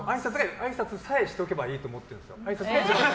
あいさつさえしておけばいいと思ってるんですよ。